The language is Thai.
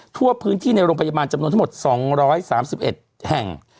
ทั่วพื้นที่ในโรงพยาบาลจำนวนทั้งหมด๒๓๑แห่ง